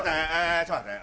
ちょっと待って。